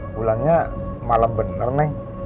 pulangnya malam bener neng